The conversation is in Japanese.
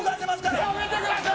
やめてください。